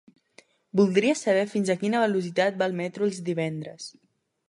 Voldria saber fins a quina velocitat va el metro els divendres?